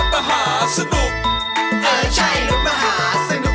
มันไม่ใช่ลดประหาสนุก